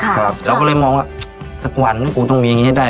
แหละก็เลยมองว่าศักดิ์หวันกูต้องมีอันนี้ให้ได้